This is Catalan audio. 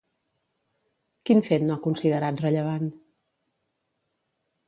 Quin fet no ha considerat rellevant?